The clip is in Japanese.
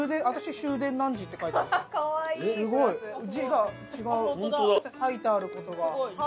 字が違う書いてあることが。